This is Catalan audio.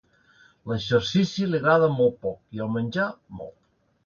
L'exercici li agrada molt poc i el menjar molt.